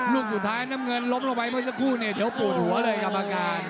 ลูกสุดท้ายน้ำเงินล้มลงไปเมื่อสักครู่เนี่ยเดี๋ยวปวดหัวเลยกรรมการ